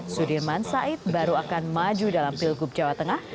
sudirman said baru akan maju dalam pilgub jawa tengah